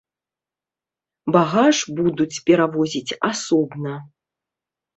Багаж будуць перавозіць асобна.